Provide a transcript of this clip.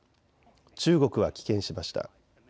中国は棄権しました。